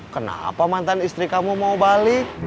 kenapa mantan istri kamu mau balik